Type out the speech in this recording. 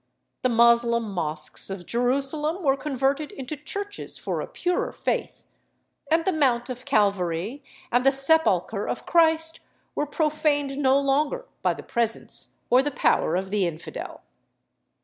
The Moslem mosques of Jerusalem were converted into churches for a purer faith, and the mount of Calvary and the sepulchre of Christ were profaned no longer by the presence or the power of the infidel.